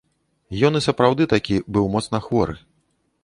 Ён і сапраўды такі быў моцна хворы.